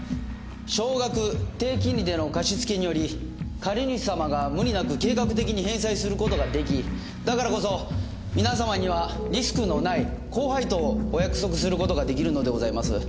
少額低金利での貸し付けにより借主様が無理なく計画的に返済する事が出来だからこそ皆様にはリスクのない高配当をお約束する事が出来るのでございます。